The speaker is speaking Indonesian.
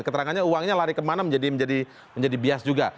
keterangannya uangnya lari kemana menjadi bias juga